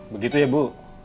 begitu ya bu